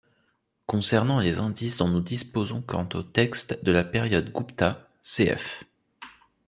Concernant les indices dont nous disposons quant au texte de la période Gupta, cf.